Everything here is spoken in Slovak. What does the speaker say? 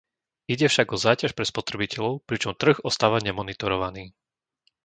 Ide však o záťaž pre spotrebiteľov, pričom trh ostáva nemonitorovaný.